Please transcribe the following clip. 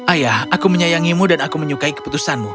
ayah aku menyayangimu dan aku menyukai keputusanmu